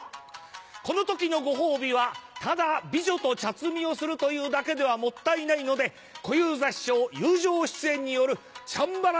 この時のご褒美はただ美女と茶摘みをするというだけではもったいないので小遊三師匠友情出演によるチャンバラ